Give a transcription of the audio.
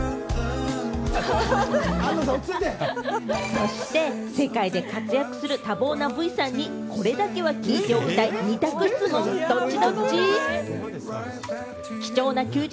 そして世界で活躍する多忙なＶさんにこれだけは聞いておきたい、二択質問ドッチ？